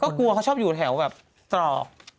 ก็กลัวเขาชอบอยู่แถวแบบตรอก